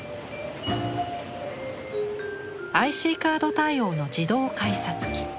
ＩＣカード対応の自動改札機。